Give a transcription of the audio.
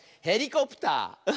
「ヘリコプター」！